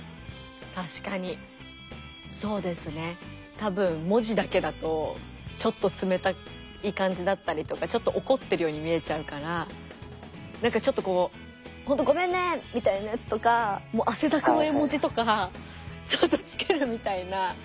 多分文字だけだとちょっと冷たい感じだったりとかちょっと怒ってるように見えちゃうからなんかちょっとこう「ほんとごめんね！」みたいなやつとか汗だくの絵文字とかちょっとつけるみたいな。